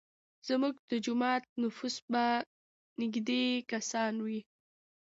زموږ د جومات نفوس به نیږدی کسان وي.